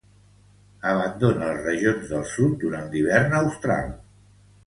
Abandona les regions del sud durant l'hivern austral.